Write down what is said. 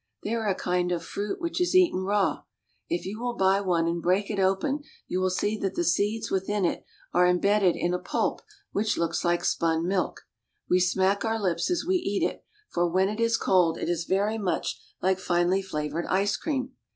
They are a kind of fruit which is eaten raw. If you will buy one and break it open you will see that the seeds within it are imbedded in a pulp which looks like spun silk. We smack our lips as we eat it, for when it is cold it is very much like finely flavored ice cream.